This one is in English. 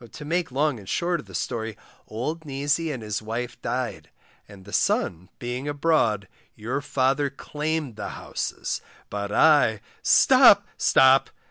To make long and short of the story, old Neasy and his wife died, and the son being abroad, your father claimed the houses, but I Stop! stop!